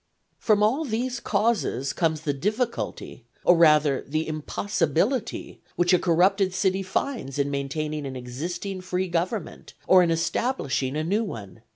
From all these causes comes the difficulty, or rather the impossibility, which a corrupted city finds in maintaining an existing free government, or in establishing a new one.